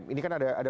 ini kan ada